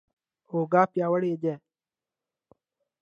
اوږه پیاوړې دي.